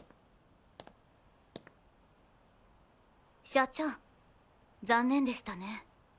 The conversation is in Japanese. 社長残念でしたね。